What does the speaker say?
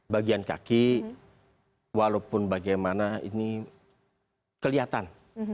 bagian kaki walaupun bagaimana ini kelihatan